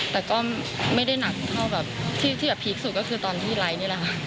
แต่ก็ไม่ได้หนักเท่าแบบที่แบบพีคสุดก็คือตอนที่ไลค์นี่แหละค่ะ